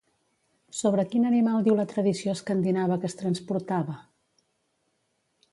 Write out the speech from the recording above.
Sobre quin animal diu la tradició escandinava que es transportava?